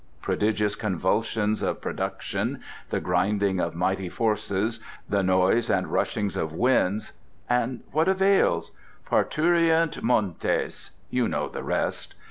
Prodigious convulsion of production, the grinding of mighty forces, the noise and rushings of winds—and what avails? Parturiunt montes ...you know the rest.